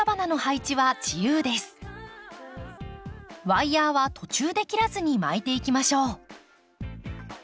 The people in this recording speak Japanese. ワイヤーは途中で切らずに巻いていきましょう。